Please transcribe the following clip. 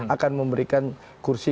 akan memberikan kursi